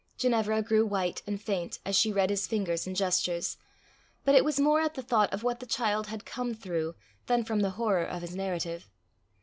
Ginevra grew white and faint as she read his fingers and gestures, but it was more at the thought of what the child had come through, than from the horror of his narrative.